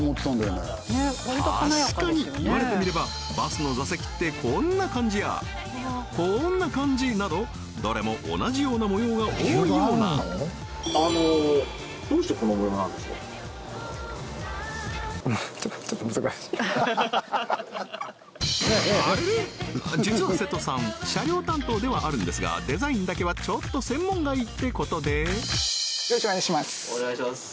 確かにいわれてみればバスの座席ってこんな感じやこんな感じなどどれも同じような模様が多いようなあれれ実は瀬戸さん車両担当ではあるんですがデザインだけはちょっと専門外ってことでよろしくお願いします